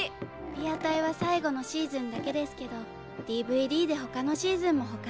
リアタイは最後のシーズンだけですけどＤＶＤで他のシーズンも補完しました。